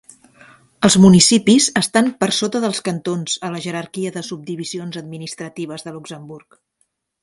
Els municipis estan per sota dels cantons a la jerarquia de subdivisions administratives de Luxemburg.